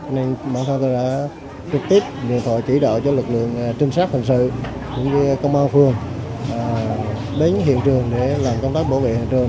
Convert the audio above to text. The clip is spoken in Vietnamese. nên bản thân tôi đã trực tiếp điện thoại chỉ đạo cho lực lượng trinh sát hình sự cũng như công an phường đến hiện trường để làm công tác bảo vệ hiện trường